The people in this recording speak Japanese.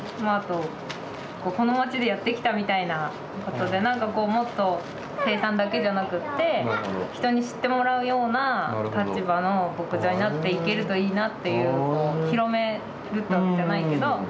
あとこの町でやってきたみたいなことでなんかこうもっと生産だけじゃなくって人に知ってもらうような立場の牧場になっていけるといいなっていう広めるってわけじゃないけど。